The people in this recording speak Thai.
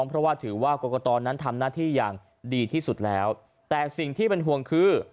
แพ้ที่จุดทศนิยมนะคะ